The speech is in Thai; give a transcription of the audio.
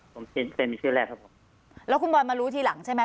ผมเคยมีชื่อแรกครับผมแล้วคุณบอลมารู้ทีหลังใช่ไหม